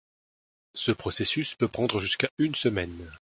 Ce processus peut prendre jusqu'à une semaine.